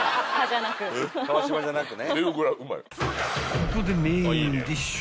［ここでメインディッシュ］